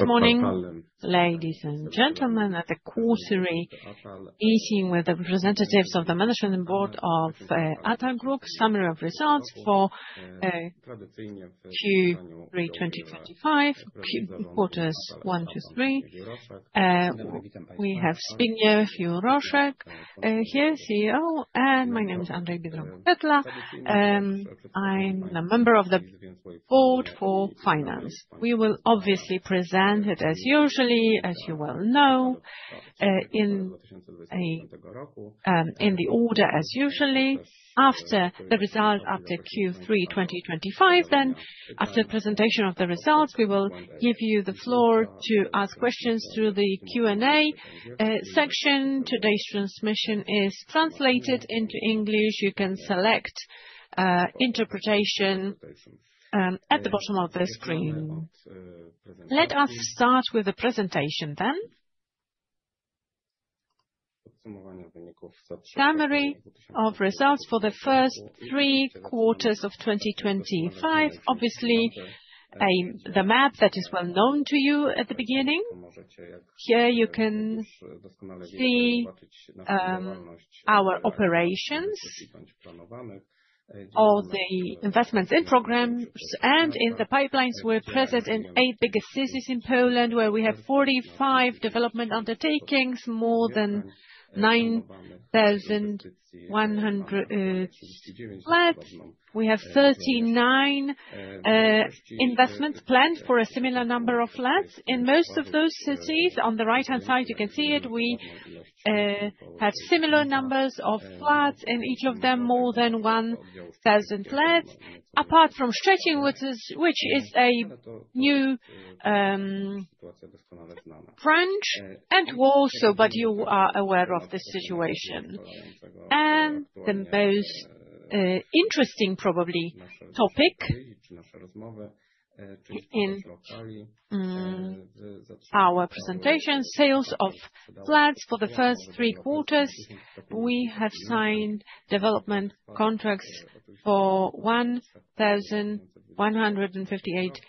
Good morning, ladies and gentlemen, at the quarterly meeting with the representatives of the Management and Board of Atal S.A. Summary of results for Q3 2025, Q1 to Q3. We have Zbigniew Juroszek here, CEO, and my name is Andrzej Biedronka-Tetla, I'm a member of the board for finance. We will obviously present it as usually, as you well know, in the order as usually. After the result, after Q3 2025, then after the presentation of the results, we will give you the floor to ask questions through the Q&A section. Today's transmission is translated into English. You can select interpretation at the bottom of the screen. Let us start with the presentation then. Summary of results for the first three quarters of 2025. Obviously, the map that is well known to you at the beginning. Here you can see, our operations or the investments in programs, and in the pipelines we're present in 8 biggest cities in Poland, where we have 45 development undertakings, more than 9,100 flats. We have 39 investments planned for a similar number of flats. In most of those cities, on the right-hand side, you can see it, we have similar numbers of flats, in each of them more than 1,000 flats. Apart from Szczecin, which is a new branch, and also, but you are aware of this situation. And the most interesting probably topic in our presentation, sales of flats for the first three quarters. We have signed development contracts for 1,158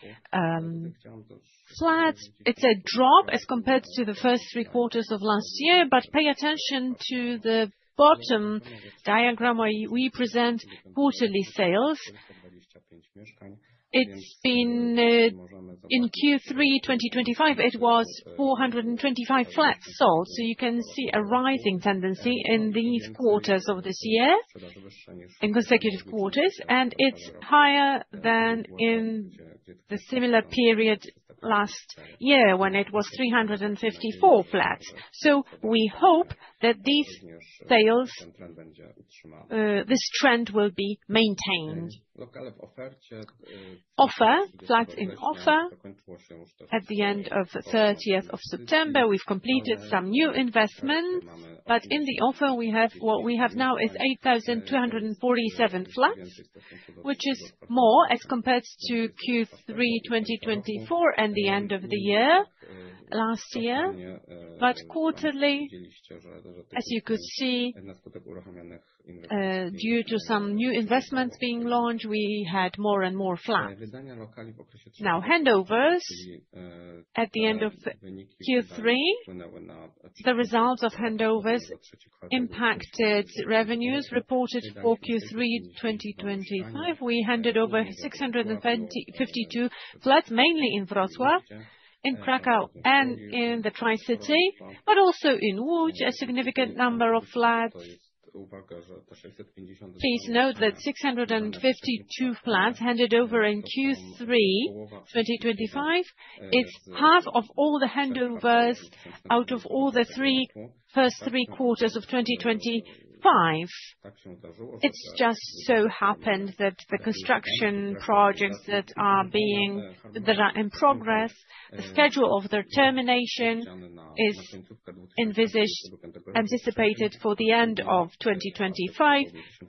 flats. It's a drop as compared to the first three quarters of last year, but pay attention to the bottom diagram where we present quarterly sales. It's been in Q3 2025, it was 425 flats sold, so you can see a rising tendency in these quarters of this year, in consecutive quarters, and it's higher than in the similar period last year, when it was 354 flats. So we hope that these sales, this trend will be maintained. Offer, flats in offer. At the end of the thirtieth of September, we've completed some new investments, but in the offer we have—what we have now is 8,247 flats, which is more as compared to Q3 2024 and the end of the year, last year. Quarterly, as you could see, due to some new investments being launched, we had more and more flats. Now, handovers. At the end of Q3, the results of handovers impacted revenues reported for Q3 2025. We handed over 652 flats, mainly in Wrocław, in Kraków, and in the Tri-City, but also in Łódź, a significant number of flats. Please note that 652 flats handed over in Q3 2025, it's half of all the handovers out of all the first three quarters of 2025. It's just so happened that the construction projects that are in progress, the schedule of their termination is envisaged, anticipated for the end of 2025,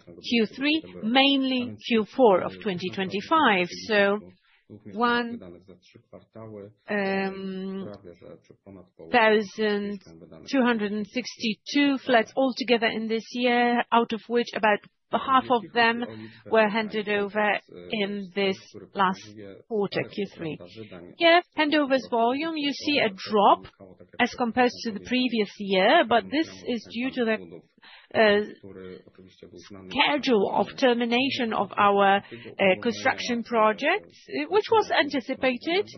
Q3, mainly Q4 of 2025. 1,262 flats altogether in this year, out of which about half of them were handed over in this last quarter, Q3. Here, handovers volume, you see a drop as compared to the previous year, but this is due to the schedule of termination of our construction projects, which was anticipated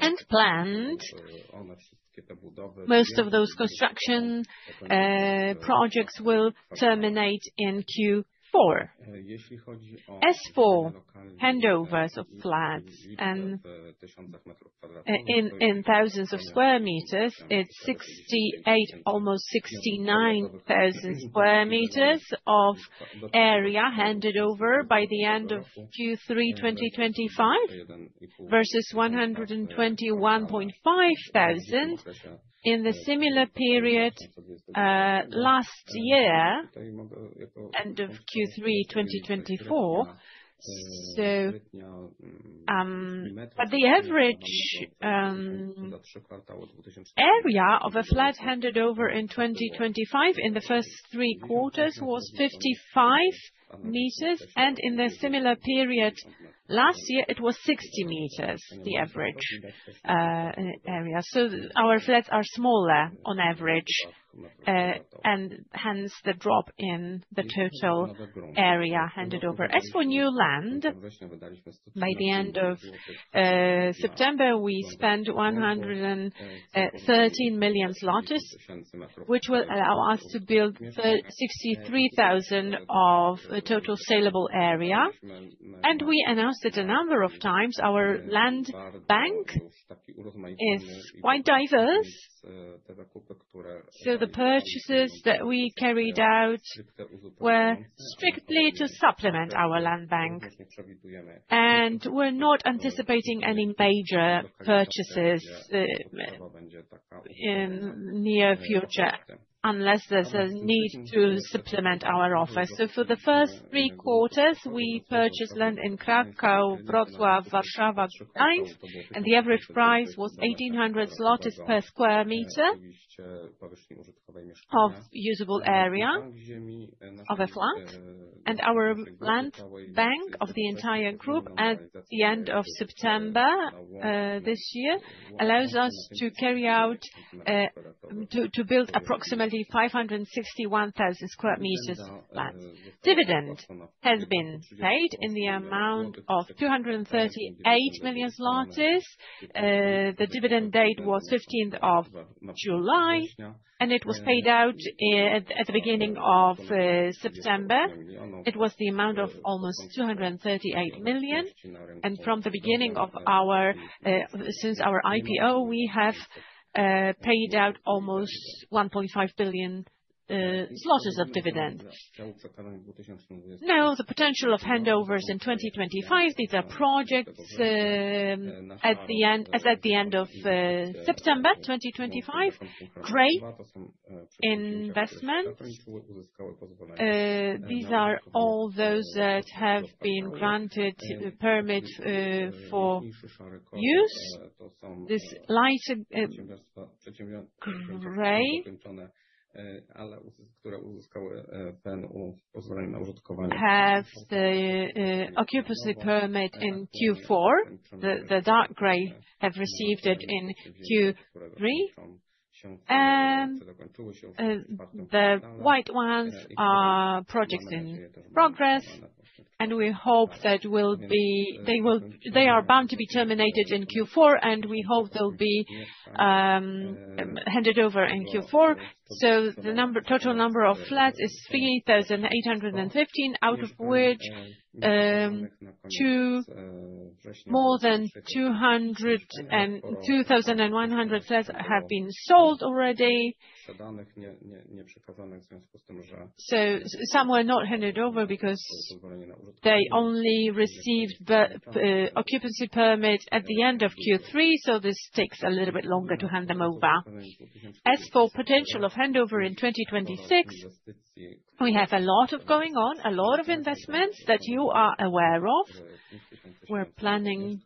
and planned. Most of those construction projects will terminate in Q4. As for handovers of flats and in thousands of square meters, it's 68, almost 69 thousand square meters of area handed over by the end of Q3 2025, versus 121.5 thousand in the similar period last year, end of Q3 2024. So, but the average area of a flat handed over in 2025, in the first three quarters was 55 meters, and in the similar period last year, it was 60 meters, the average area. So our flats are smaller on average and hence the drop in the total area handed over. As for new land, by the end of September, we spent 113 million zlotys, which will allow us to build 63,000 of the total sellable area. And we announced it a number of times, our land bank is quite diverse, so the purchases that we carried out were strictly to supplement our land bank. And we're not anticipating any major purchases in near future, unless there's a need to supplement our office. So for the first three quarters, we purchased land in Kraków, Wrocław, Warszawa, Gdańsk, and the average price was 1,800 PLN per square meter of usable area of a flat. And our land bank of the entire group at the end of September this year allows us to carry out to build approximately 561,000 square meters land. Dividend has been paid in the amount of 238 million zlotys. The dividend date was fifteenth of July, and it was paid out at the beginning of September. It was the amount of almost 238 million, and from the beginning of our since our IPO, we have paid out almost 1.5 billion PLN of dividend. Now, the potential of handovers in 2025, these are projects, as at the end of September 2025. Great investment. These are all those that have been granted the permit for use. This lighter gray have the occupancy permit in Q4. The dark gray have received it in Q3. And the white ones are projects in progress, and we hope that will be—they will, they are bound to be terminated in Q4, and we hope they'll be handed over in Q4. So the number, total number of flats is 3,815, out of which, more than 2,300 flats have been sold already. So some were not handed over because they only received the occupancy permit at the end of Q3, so this takes a little bit longer to hand them over. As for potential of handover in 2026, we have a lot of going on, a lot of investments that you are aware of. We're planning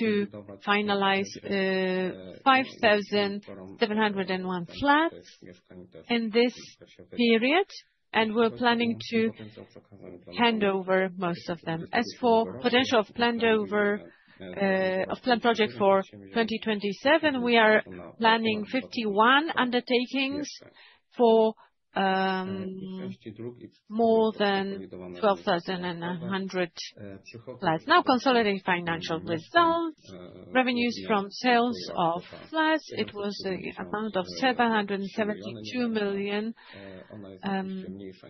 to finalize 5,701 flats in this period, and we're planning to hand over most of them. As for potential of planned over, of planned project for 2027, we are planning 51 undertakings for more than 12,100 flats. Now, consolidating financial results. Revenues from sales of flats, it was amount of 772 million,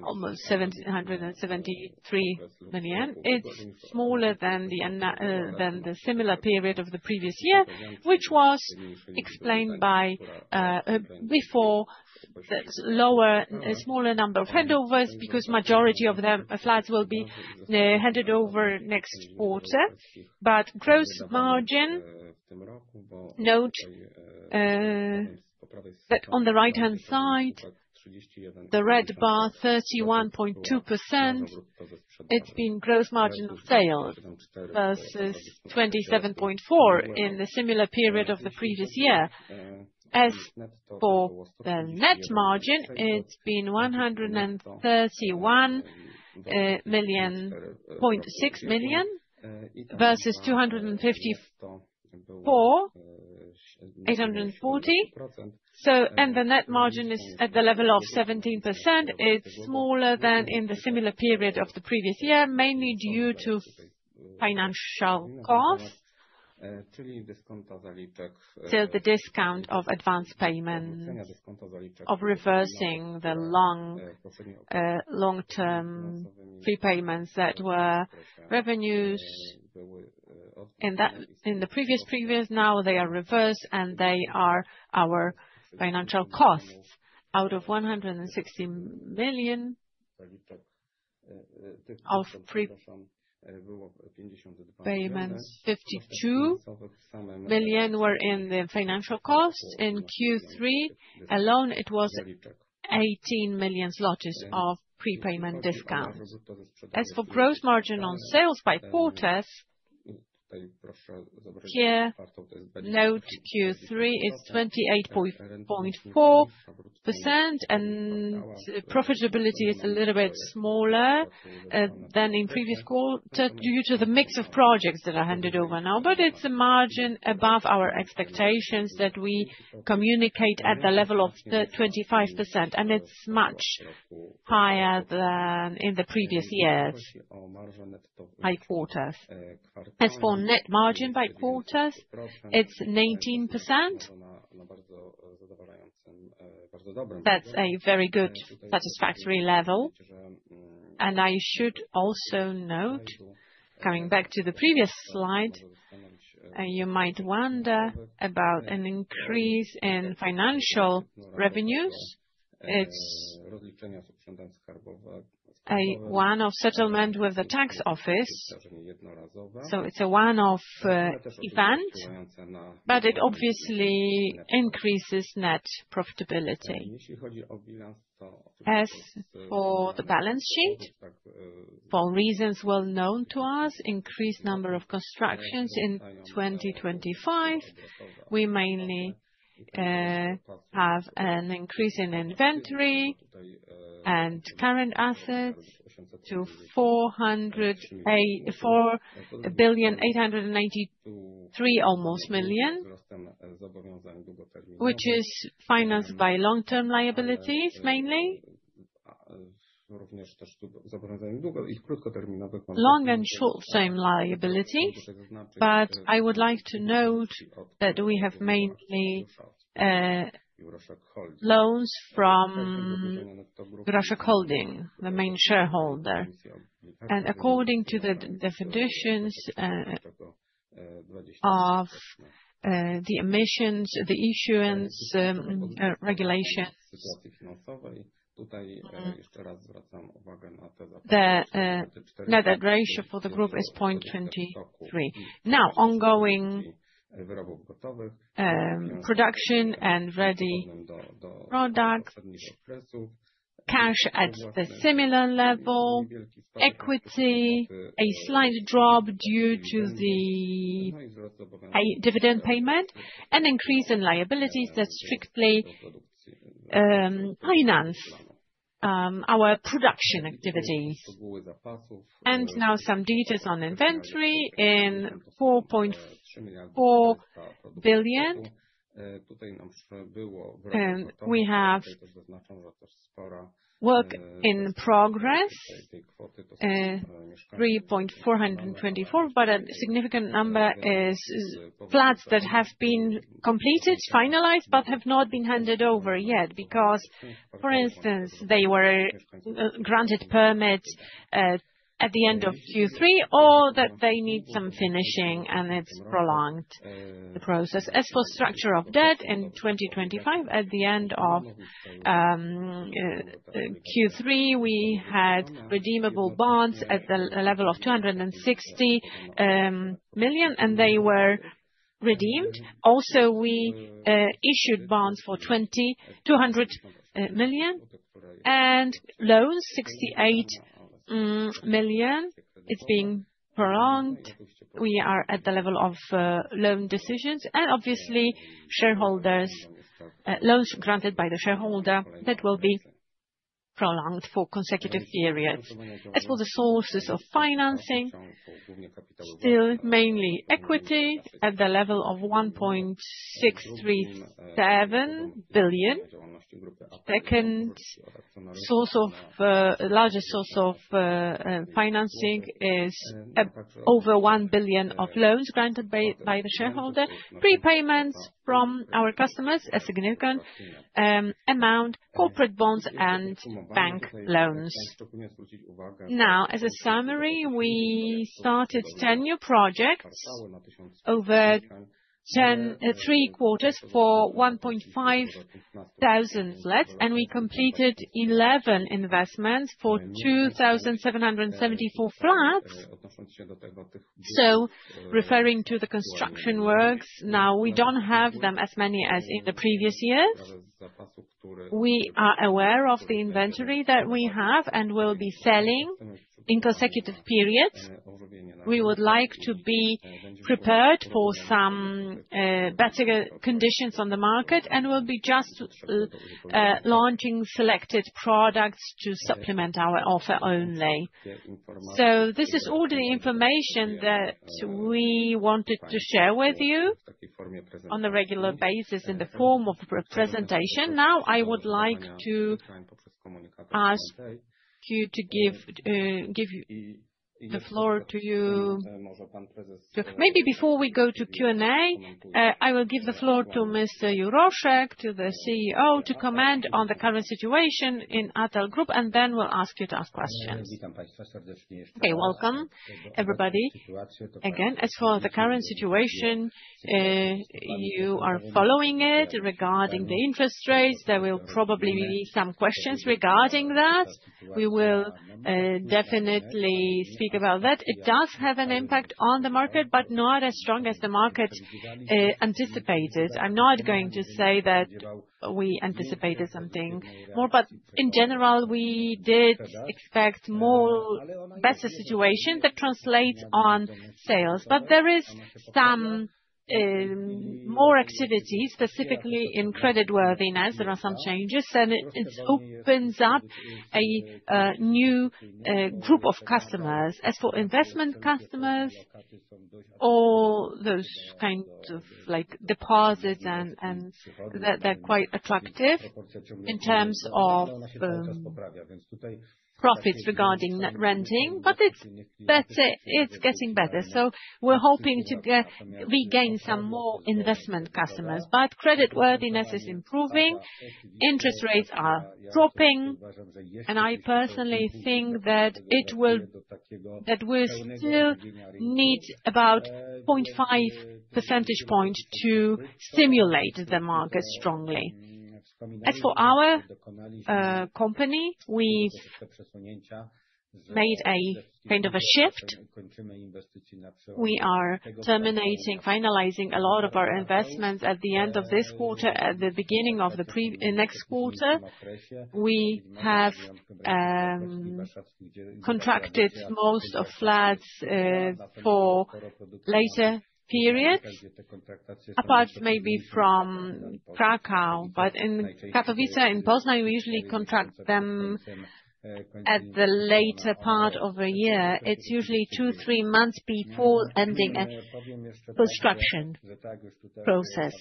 almost 773 million. It's smaller than the than the similar period of the previous year, which was explained by, before, the lower, a smaller number of handovers, because majority of the flats will be handed over next quarter. But gross margin, note, that on the right-hand side, the red bar, 31.2%, it's been gross margin of sale versus 27.4% in the similar period of the previous year. As for the net margin, it's been 131.6 million versus 254.84 million. So, and the net margin is at the level of 17%. It's smaller than in the similar period of the previous year, mainly due to financial costs. So the discount of advance payment, of reversing the long-term prepayments that were revenues in that, in the previous, now they are reversed, and they are our financial costs. Out of 160 million of prepayments, 52 million were in the financial cost. In Q3 alone, it was 18 million zlotys of prepayment discount. As for gross margin on sales by quarters, here, note Q3 is 28.4%, and profitability is a little bit smaller than in previous quarter, due to the mix of projects that are handed over now. But it's a margin above our expectations that we communicate at the level of the 25%, and it's much higher than in the previous years, by quarters. As for net margin by quarters, it's 19%. That's a very good satisfactory level, and I should also note, coming back to the previous slide, you might wonder about an increase in financial revenues. It's a one-off settlement with the tax office, so it's a one-off event, but it obviously increases net profitability. As for the balance sheet, for reasons well known to us, increased number of constructions in 2025, we mainly have an increase in inventory and current assets to 4,893 million, which is financed by long-term liabilities, mainly. Long and short-term liability, but I would like to note that we have mainly loans from Juroszek Holding, the main shareholder. According to the definitions of the emissions, the issuance regulations, the net ratio for the group is 0.23. Now, ongoing production and ready products. Cash at a similar level, equity, a slight drop due to the high dividend payment, an increase in liabilities that strictly finance our production activities. And now some details on inventory in 4.4 billion. We have work in progress, 3.424, but a significant number is flats that have been completed, finalized, but have not been handed over yet. Because, for instance, they were granted permits at the end of Q3, or that they need some finishing and it's prolonged the process. As for structure of debt in 2025, at the end of Q3, we had redeemable bonds at the level of 260 million, and they were redeemed. Also, we issued bonds for 2,200 million and loans, 68 million. It's being prolonged. We are at the level of loan decisions, and obviously, shareholders loans granted by the shareholder that will be prolonged for consecutive periods. As for the sources of financing, still mainly equity at the level of 1.637 billion. Largest source of financing is over 1 billion of loans granted by the shareholder. Prepayments from our customers, a significant amount, corporate bonds and bank loans. Now, as a summary, we started 10 new projects over the three quarters for 1,500 flats, and we completed 11 investments for 2,774 flats. So referring to the construction works, now we don't have them as many as in the previous years. We are aware of the inventory that we have and will be selling in consecutive periods. We would like to be prepared for some better conditions on the market, and we'll be just launching selected products to supplement our offer only. So this is all the information that we wanted to share with you on a regular basis in the form of a presentation. Now, I would like to ask you to give the floor. Maybe before we go to Q&A, I will give the floor to Mr. Juroszek, the CEO, to comment on the current situation in Atal's Group, and then we'll ask you to ask questions. Okay, welcome, everybody. Again, as for the current situation, you are following it. Regarding the interest rates, there will probably be some questions regarding that. We will definitely speak about that. It does have an impact on the market, but not as strong as the market anticipated. I'm not going to say that we anticipated something more, but in general, we did expect more, better situation that translates on sales. But there is some more activity, specifically in creditworthiness, there are some changes, and it opens up a new group of customers. As for investment customers, all those kind of, like, deposits and they're quite attractive in terms of profits regarding net renting, but it's better, it's getting better. So we're hoping to get, regain some more investment customers. But creditworthiness is improving, interest rates are dropping, and I personally think that it will, that we'll still need about 0.5 percentage point to stimulate the market strongly. As for our company, we've made a kind of a shift. We are terminating, finalizing a lot of our investments at the end of this quarter, at the beginning of the next quarter. We have contracted most of flats for later periods, apart maybe from Kraków. But in Katowice, in Poznań, we usually contract them at the later part of a year. It's usually 2, 3 months before ending a construction process,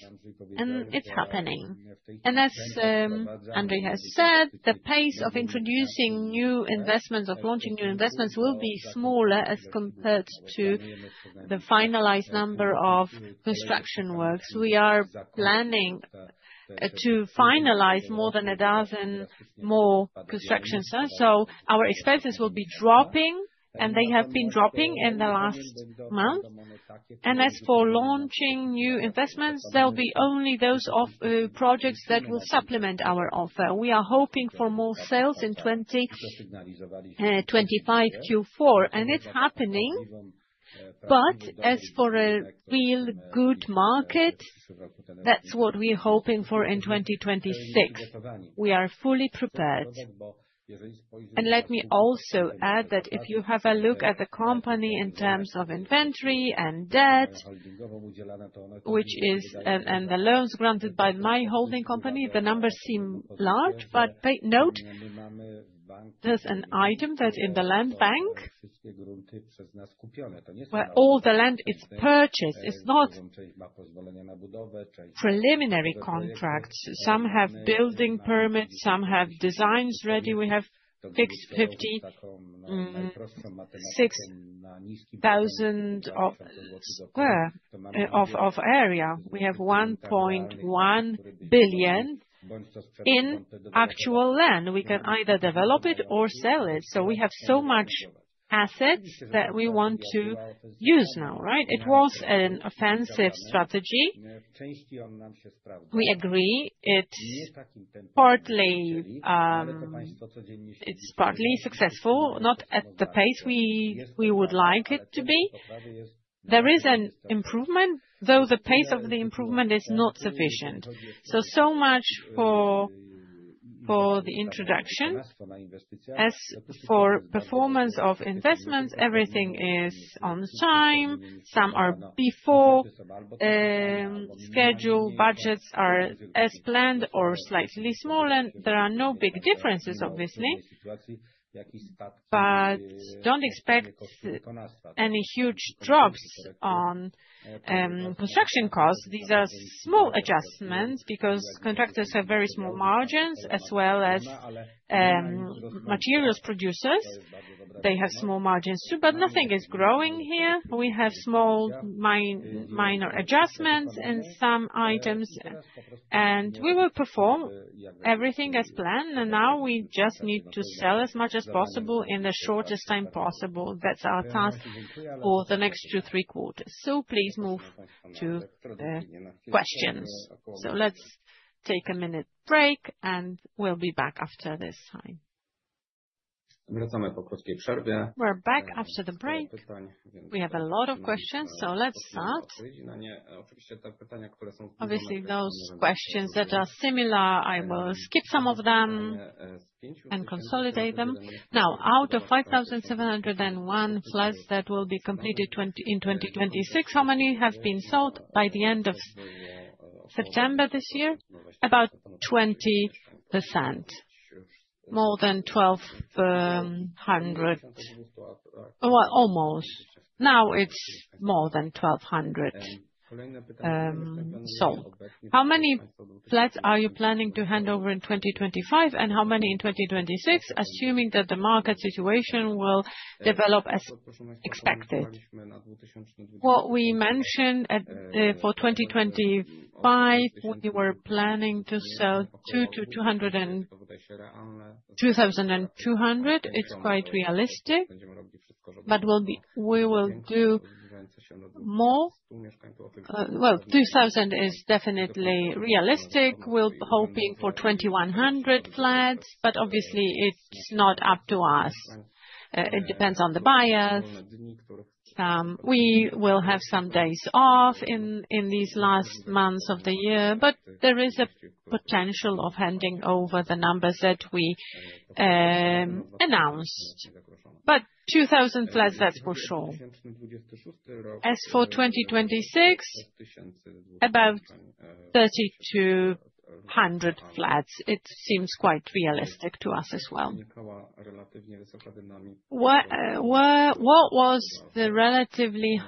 and it's happening. And as Andrzej has said, the pace of introducing new investments, of launching new investments, will be smaller as compared to the finalized number of construction works. We are planning to finalize more than a dozen more construction sites, so our expenses will be dropping, and they have been dropping in the last month. And as for launching new investments, there'll be only those of projects that will supplement our offer. We are hoping for more sales in 2025 Q4, and it's happening. But as for a real good market, that's what we're hoping for in 2026. We are fully prepared. And let me also add that if you have a look at the company in terms of inventory and debt, which is and the loans granted by my holding company, the numbers seem large, but take note, there's an item that in the land bank, where all the land is purchased. It's not preliminary contracts. Some have building permits, some have designs ready. We have fixed 56,000 square meters of area. We have 1.1 billion in actual land. We can either develop it or sell it. So we have so much assets that we want to use now, right? It was an offensive strategy. We agree, it's partly, it's partly successful, not at the pace we, we would like it to be. There is an improvement, though the pace of the improvement is not sufficient. So much for the introduction. As for performance of investments, everything is on time. Some are before schedule. Budgets are as planned or slightly smaller. There are no big differences, obviously, but don't expect any huge drops on construction costs. These are small adjustments because contractors have very small margins, as well as materials producers. They have small margins, too, but nothing is growing here. We have small minor adjustments in some items, and we will perform everything as planned, and now we just need to sell as much as possible in the shortest time possible. That's our task for the next two, three quarters. So please move to the questions. So let's take a minute break, and we'll be back after this time. We're back after the break. We have a lot of questions, so let's start. Obviously, those questions that are similar, I will skip some of them and consolidate them. Now, out of 5,701+, that will be completed in 2026, how many have been sold by the end of September this year? About 20%. More than 1,200. Well, almost. Now it's more than 1,200. So how many flats are you planning to hand over in 2025, and how many in 2026, assuming that the market situation will develop as expected? What we mentioned for 2025, we were planning to sell 2 to 200 and 2,000 to 200. It's quite realistic, but we will do more. Well, 2,000 is definitely realistic. We're hoping for 2,100 flats, but obviously, it's not up to us. It depends on the buyers. We will have some days off in these last months of the year, but there is a potential of handing over the numbers that we announced. But 2,000 flats, that's for sure. As for 2026, about 3,200 flats. It seems quite realistic to us as well. What was the relatively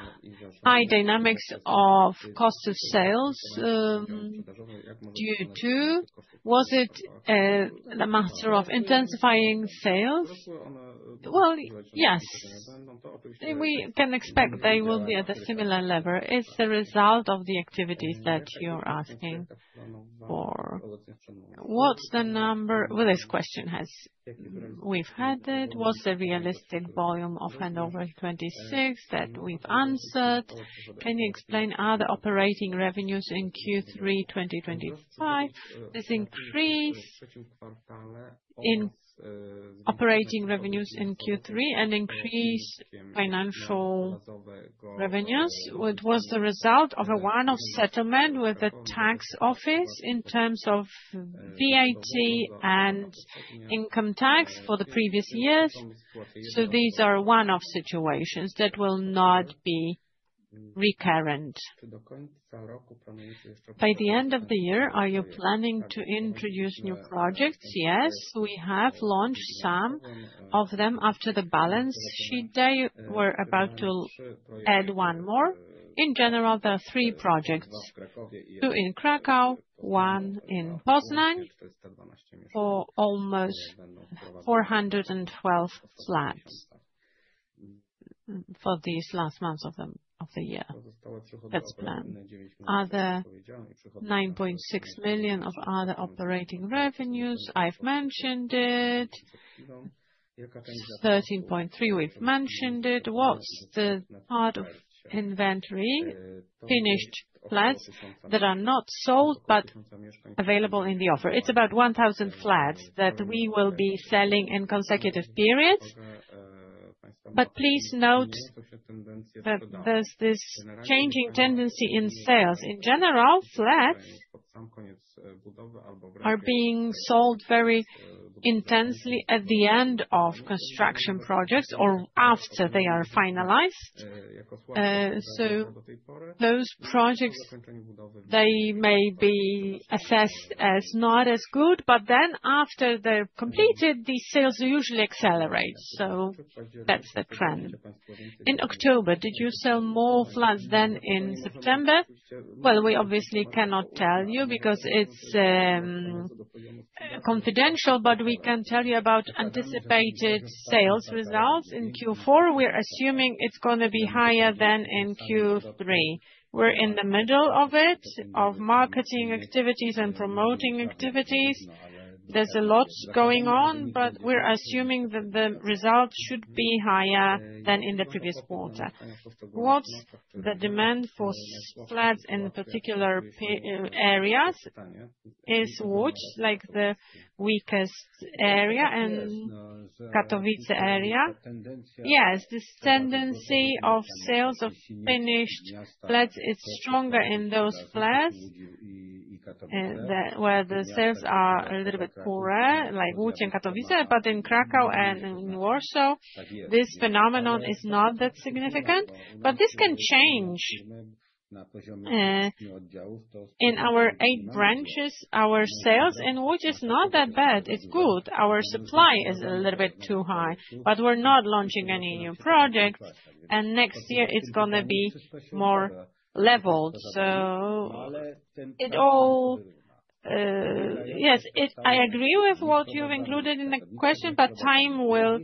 high dynamics of cost of sales due to? Was it the matter of intensifying sales? Well, yes. We can expect they will be at a similar level. It's the result of the activities that you're asking for. What's the number? Well, this question has—we've had it. What's the realistic volume of handover in 2026, that we've answered. Can you explain, are the operating revenues in Q3 2025 has increased in operating revenues in Q3 and increased financial revenues? It was the result of a one-off settlement with the tax office in terms of VAT and income tax for the previous years, so these are one-off situations that will not be recurrent. By the end of the year, are you planning to introduce new projects? Yes, we have launched some of them after the balance sheet. They were about to add one more. In general, there are three projects, two in Kraków, one in Poznań, for almost 412 flats for these last months of the year. That's planned. Are the 9.6 million of other operating revenues? I've mentioned it. Thirteen point three, we've mentioned it. What's the part of inventory? Finished flats that are not sold, but available in the offer. It's about 1,000 flats that we will be selling in consecutive periods. But please note that there's this changing tendency in sales. In general, flats are being sold very intensely at the end of construction projects or after they are finalized. So those projects, they may be assessed as not as good, but then after they're completed, the sales usually accelerate. So that's the trend. In October, did you sell more flats than in September? Well, we obviously cannot tell you because it's confidential, but we can tell you about anticipated sales results in Q4. We're assuming it's gonna be higher than in Q3. We're in the middle of it, of marketing activities and promoting activities. There's a lot going on, but we're assuming that the result should be higher than in the previous quarter. What's the demand for flats in particular areas? Is Łódź like the weakest area and Katowice area? Yes, this tendency of sales of finished flats is stronger in those flats where the sales are a little bit poorer, like Łódź and Katowice, but in Kraków and in Warsaw, this phenomenon is not that significant. But this can change in our eight branches, our sales, and which is not that bad, it's good. Our supply is a little bit too high, but we're not launching any new projects, and next year it's gonna be more leveled. So it all. Yes, I agree with what you've included in the question, but time will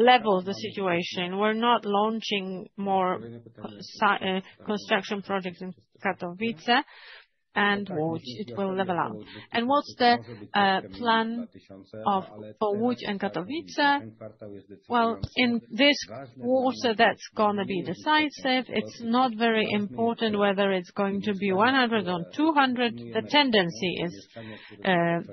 level the situation. We're not launching more construction projects in Katowice and Łódź. It will level up. And what's the plan for Łódź and Katowice? Well, in this quarter, that's gonna be decisive. It's not very important whether it's going to be 100 or 200. The tendency is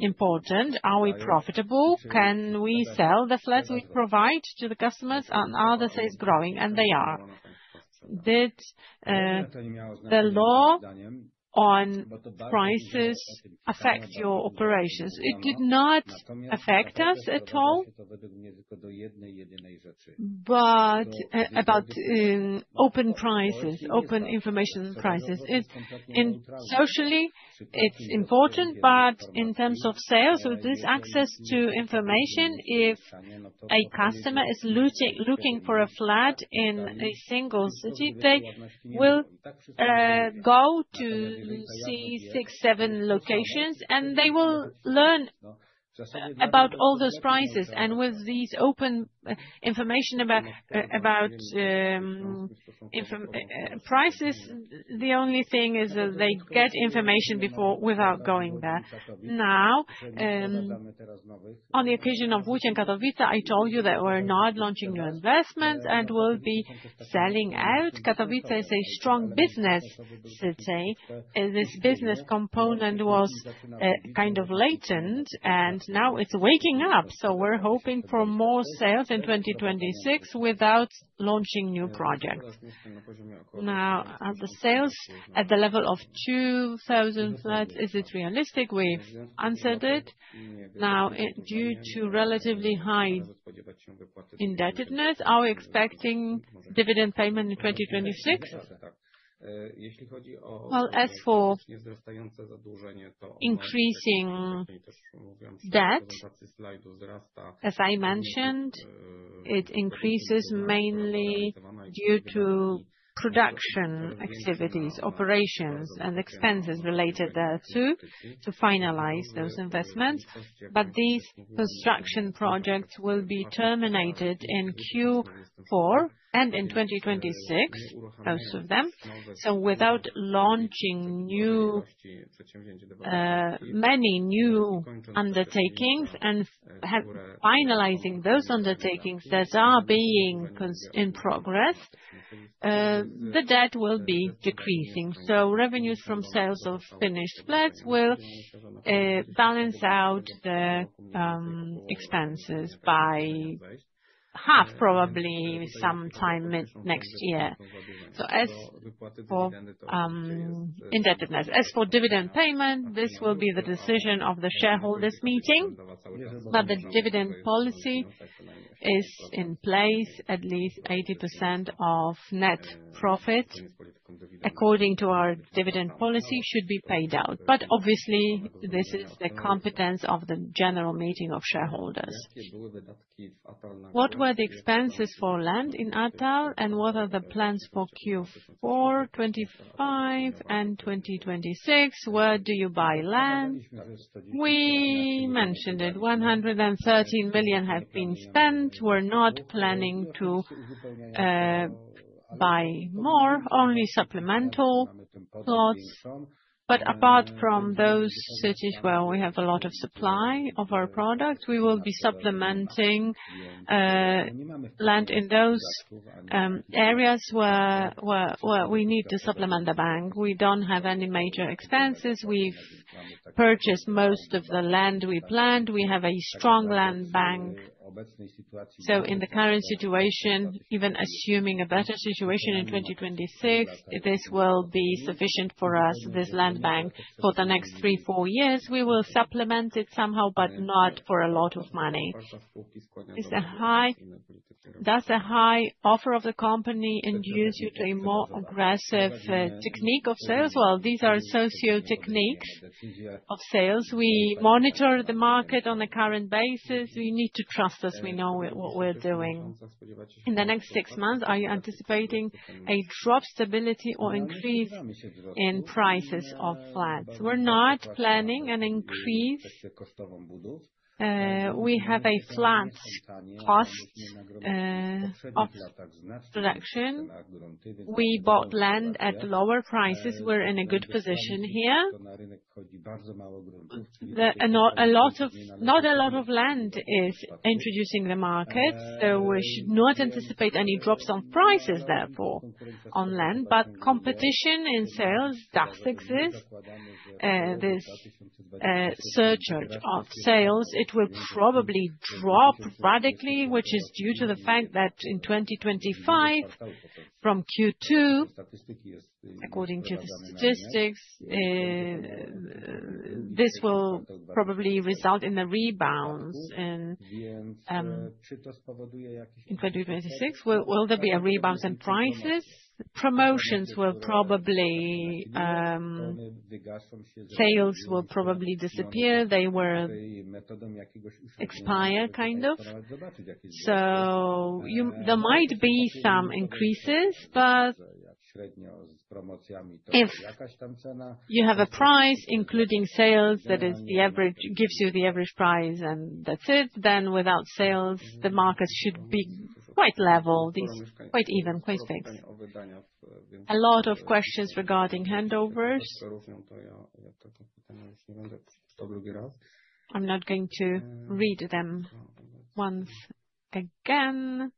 important. Are we profitable? Can we sell the flats we provide to the customers, and are the sales growing? And they are. Did the law on prices affect your operations? It did not affect us at all, but about open prices, open information prices. It's socially important, but in terms of sales, with this access to information, if a customer is looking for a flat in a single city, they will go to see six, seven locations, and they will learn about all those prices. And with these open information about prices, the only thing is that they get information before without going there. Now, on the occasion of Łódź and Katowice, I told you that we're not launching new investments and we'll be selling out. Katowice is a strong business city, and this business component was kind of latent, and now it's waking up. So we're hoping for more sales in 2026 without launching new projects. Now, are the sales at the level of 2000 flats, is it realistic? We've answered it. Now, due to relatively high indebtedness, are we expecting dividend payment in 2026? Well, as for increasing debt, as I mentioned, it increases mainly due to production activities, operations, and expenses related thereto, to finalize those investments. But these construction projects will be terminated in Q4 and in 2026, most of them. So without launching new many new undertakings and have finalizing those undertakings that are being in progress, the debt will be decreasing. So revenues from sales of finished flats will balance out the expenses by half, probably sometime mid next year. So as for indebtedness. As for dividend payment, this will be the decision of the shareholders' meeting, but the dividend policy is in place. At least 80% of net profit, according to our dividend policy, should be paid out, but obviously, this is the competence of the general meeting of shareholders. What were the expenses for land in Atal's, and what are the plans for Q4 2025 and 2026? Where do you buy land? We mentioned it, 113 million have been spent. We're not planning to buy more, only supplemental plots. But apart from those cities where we have a lot of supply of our product, we will be supplementing land in those areas where we need to supplement the bank. We don't have any major expenses. We've purchased most of the land we planned. We have a strong land bank. So in the current situation, even assuming a better situation in 2026, this will be sufficient for us, this land bank, for the next 3-4 years. We will supplement it somehow, but not for a lot of money. Does the high offer of the company induce you to a more aggressive technique of sales? Well, these are socio-techniques of sales. We monitor the market on a current basis. You need to trust us, we know what we're doing. In the next six months, are you anticipating a drop, stability, or increase in prices of flats? We're not planning an increase. We have a flat cost of production. We bought land at lower prices. We're in a good position here. Not a lot of land is introducing the market, so we should not anticipate any drops on prices, therefore, on land. But competition in sales does exist. This surge of sales it will probably drop radically, which is due to the fact that in 2025, from Q2, according to the statistics, this will probably result in a rebound in 2026. Will there be a rebound in prices? Promotions will probably sales will probably disappear. They'll expire, kind of. So there might be some increases, but if you have a price, including sales, that is the average, gives you the average price, and that's it, then without sales, the market should be quite level, this quite even, quite fixed. A lot of questions regarding handovers. I'm not going to read them once again...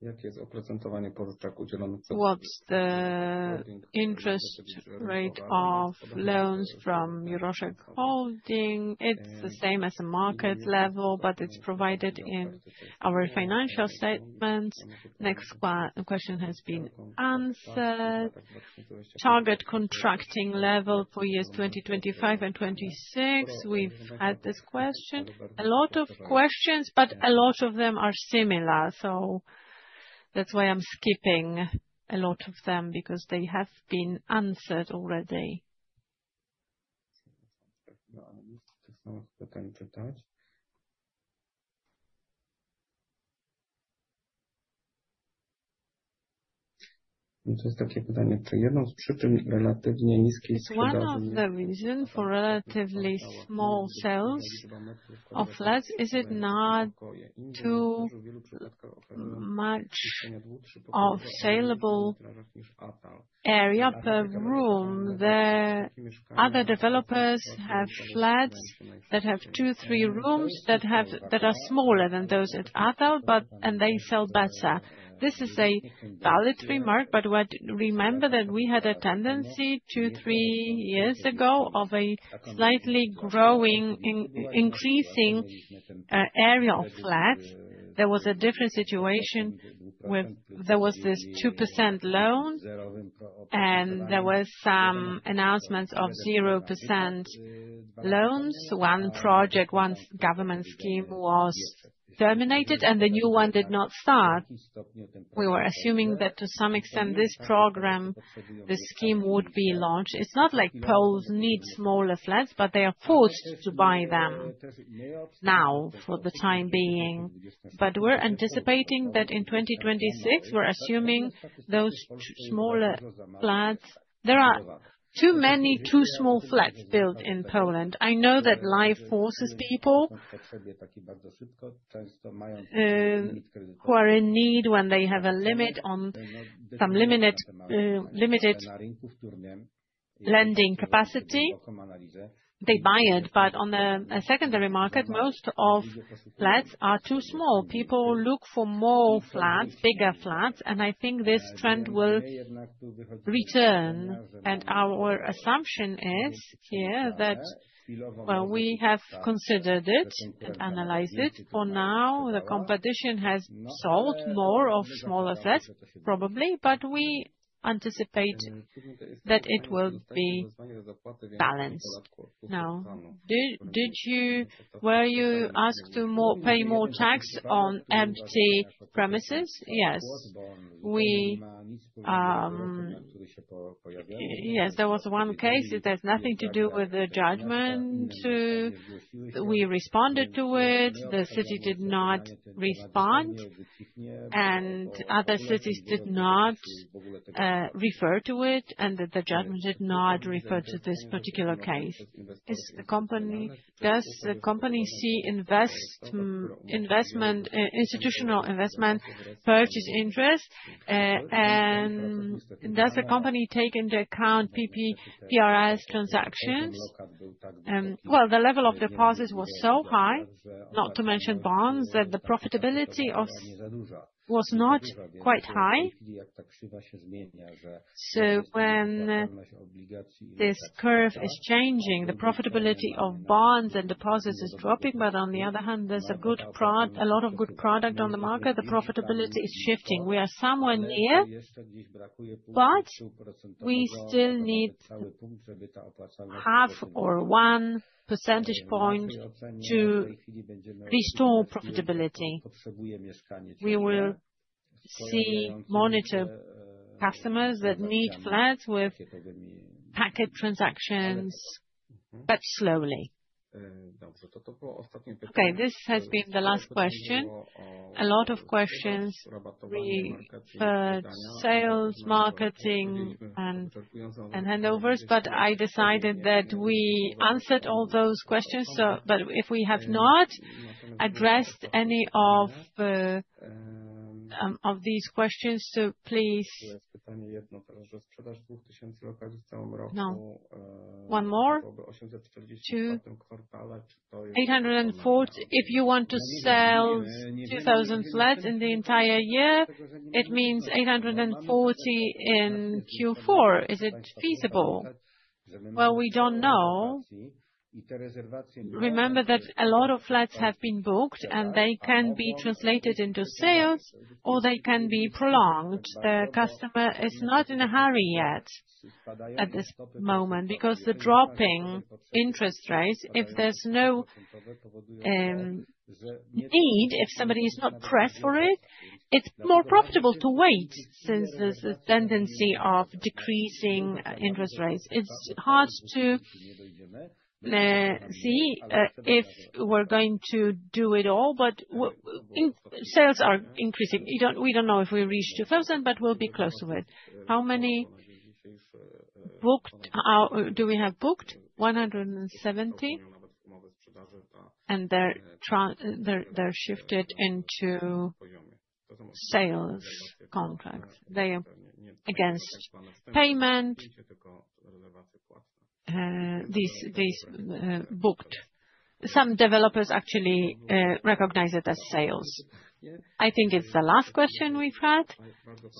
What's the interest rate of loans from Juroszek Holding? It's the same as the market level, but it's provided in our financial statements. Next question has been answered. Target contracting level for years 2025 and 2026. We've had this question. A lot of questions, but a lot of them are similar, so that's why I'm skipping a lot of them, because they have been answered already. Is one of the reason for relatively small sales of flats, is it not too much of saleable area per room? The other developers have flats that have 2-3 rooms that are smaller than those at Atal, but and they sell better. This is a valid remark, but remember that we had a tendency 2-3 years ago of a slightly growing, increasing area of flats. There was a different situation with. There was this 2% loan, and there were some announcements of 0% loans. One project, one government scheme was terminated, and the new one did not start. We were assuming that to some extent, this program, this scheme, would be launched. It's not like Poles need smaller flats, but they are forced to buy them now for the time being. But we're anticipating that in 2026, we're assuming those smaller flats. There are too many too-small flats built in Poland. I know that life forces people, who are in need when they have a limit on some limited lending capacity. They buy it, but on the secondary market, most of flats are too small. People look for more flats, bigger flats, and I think this trend will return. And our assumption is, well, we have considered it and analyzed it. For now, the competition has sold more of smaller flats, probably, but we anticipate that it will be balanced now. Did you, were you asked to pay more tax on empty premises? Yes. Yes, there was one case. It has nothing to do with the judgment. We responded to it, the city did not respond, and other cities did not refer to it, and the judgment did not refer to this particular case. Does the company see investment, institutional investment purchase interest? And does the company take into account PP, PRS transactions? Well, the level of deposits was so high, not to mention bonds, that the profitability was not quite high. So when this curve is changing, the profitability of bonds and deposits is dropping, but on the other hand, there's a lot of good product on the market, the profitability is shifting. We are somewhere near, but we still need half or one percentage point to restore profitability. We will see monitor customers that need flats with packet transactions, but slowly. Okay, this has been the last question. A lot of questions regarding sales, marketing, and handovers, but I decided that we answered all those questions, so... But if we have not addressed any of these questions, so please. Now, one more? To 840. If you want to sell 2000 flats in the entire year, it means 840 in Q4. Is it feasible? Well, we don't know. Remember that a lot of flats have been booked, and they can be translated into sales, or they can be prolonged. The customer is not in a hurry yet at this moment, because the dropping interest rates, if there's no need, if somebody is not pressed for it, it's more profitable to wait since there's a tendency of decreasing interest rates. It's hard to see if we're going to do it all, but sales are increasing. We don't know if we'll reach 2000, but we'll be close to it. How many booked do we have booked? 170, and they're shifted into sales contracts. They are against payment, these booked. Some developers actually recognize it as sales. I think it's the last question we've had.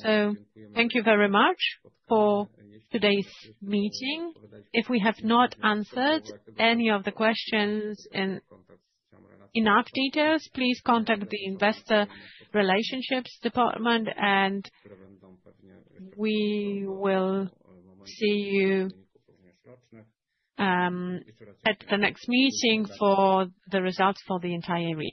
So thank you very much for today's meeting. If we have not answered any of the questions in enough details, please contact the Investor Relations department, and we will see you at the next meeting for the results for the entire year.